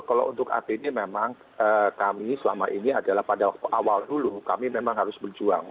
kalau untuk apd memang kami selama ini adalah pada awal dulu kami memang harus berjuang